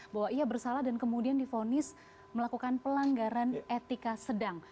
bahwa ia bersalah dan kemudian difonis melakukan pelanggaran etika sedang